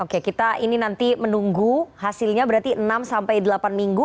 oke kita ini nanti menunggu hasilnya berarti enam sampai delapan minggu